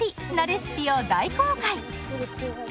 レシピを大公開！